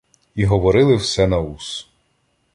І говорили все на ус: